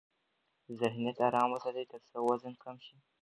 ذهنیت آرام وساتئ ترڅو وزن کم شي.